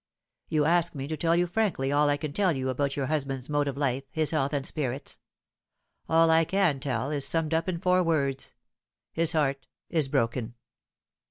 " You ask me to tell you frankly all I can tell about your husband's mode of life, his health and spirits. All I can tell is summed up in four words : his heart is broken.